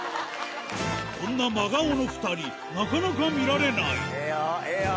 こんな真顔の２人なかなか見られないええよ！